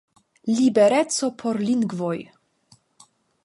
Libereco por lingvoj!